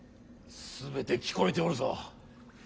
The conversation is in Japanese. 全て聞こえておるぞ。